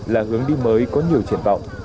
là hướng đi mới có nhiều triển vọng